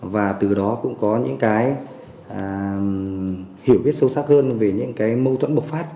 và từ đó cũng có những hiểu biết sâu sắc hơn về những mâu thuẫn bộc phát